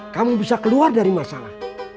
kamu bisa keluar dari masalah